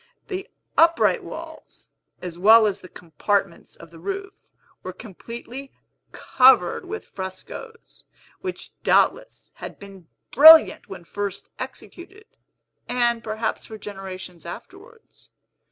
The upright walls, as well as the compartments of the roof, were completely Covered with frescos, which doubtless had been brilliant when first executed, and perhaps for generations afterwards.